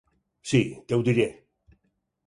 Sí, t'ho diré.